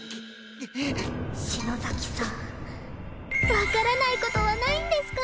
わからない事はないんですか？